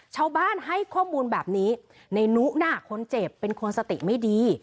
ชาวบ้านให้ข้อมูลแบบนี้ในนุน่ะคนเจ็บเป็นคนสติไม่ดี